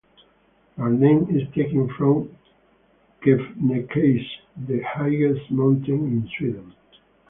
Their name is taken from Kebnekaise, the highest mountain in Sweden.